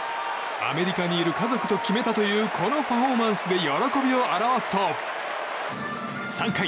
アメリカにいる家族と決めたというこのパフォーマンスで喜びを表すと３回。